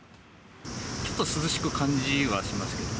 ちょっと涼しく感じはしますけど。